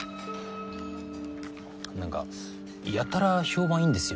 うん何かやたら評判いいんですよ